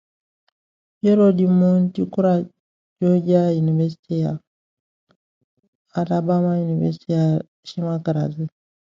She attended Georgia State University and the University of Alabama.